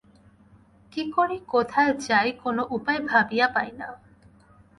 কি করি কোথায় যাই কোন উপায় ভাবিয়া পাই না।